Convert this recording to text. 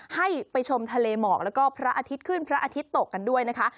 ให้ไปชมทะเลหมอกแล้วก็พระอาทิตย์ขึ้นพระอาทิตย์ตกกันด้วยนะคะ